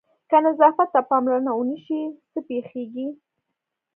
که نظافت ته پاملرنه ونه شي څه پېښېږي؟